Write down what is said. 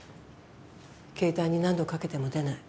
携帯に何度かけても出ない。